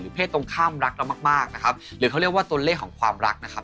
เพศตรงข้ามรักเรามากมากนะครับหรือเขาเรียกว่าตัวเลขของความรักนะครับ